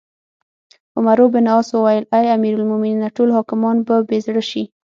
عمروبن عاص وویل: اې امیرالمؤمنینه! ټول حاکمان به بې زړه شي.